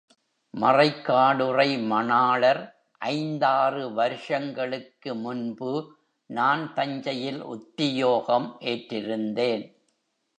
மறைக்காடுறை மணாளர் ஐந்தாறு வருஷங்களுக்கு முன்பு நான் தஞ்சையில் உத்தியோகம் ஏற்றிருந்தேன்.